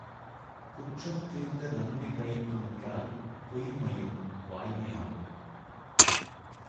குற்றம் தீர்ந்த நன்மை பயக்கும் என்றால் பொய்ம்மையும் வாய்மையாகும்.